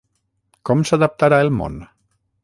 Com s'adaptarà el món?